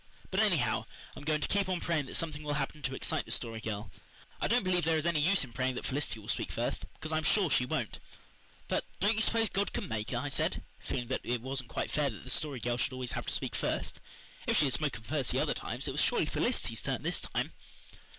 But anyhow, I'm going to keep on praying that something will happen to excite the Story Girl. I don't believe there is any use in praying that Felicity will speak first, because I am sure she won't." "But don't you suppose God could make her?" I said, feeling that it wasn't quite fair that the Story Girl should always have to speak first. If she had spoken first the other times it was surely Felicity's turn this time.